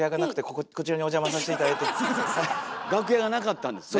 楽屋がなかったんですね。